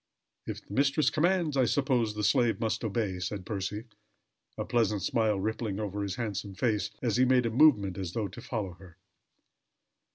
"If the mistress commands, I suppose the slave must obey," said Percy, a pleasant smile rippling over his handsome face, as he made a movement as though to follow her.